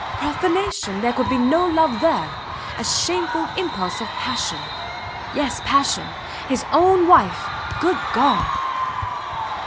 Profanation! There could be no love there. A shameful impulse of passion. Yes, passion. His own wife! Good God!